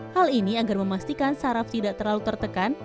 hal ini agar memastikan saraf tidak terlalu tertekan